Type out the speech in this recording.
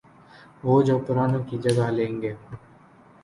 وہ جو پرانوں کی جگہ لیں گے۔